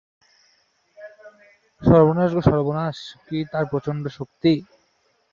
সর্বনাশ গো সর্বনাশ, কী তার প্রচণ্ড শক্তি!